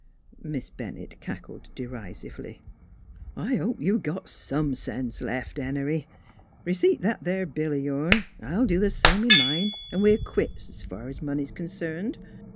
Miss Bennett cackled derisively. " I hope you got some sense left, Henery, Re ceipt that there bill o' yourn; I'll do th' same with mine, 'n' we're quits, 's fur 's money 's concerned."